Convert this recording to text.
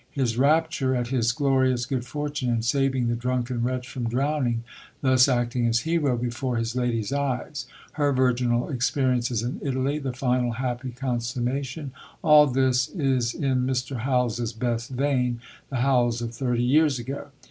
His rapture at his glorious good fortune in saving the drunken wretch from drowning, thus acting as hero before his lady's eyes; her virginal experiences in Italy; the final happy consummation all this is in Mr. Howells's best vein, the Howells of thirty years ago.